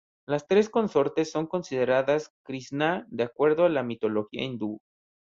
Las tres consortes son consideradas Krisná de acuerdo a la mitología hindú.